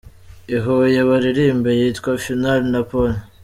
I Huye baririmbe iyitwa ’Final’ na ’Pole’.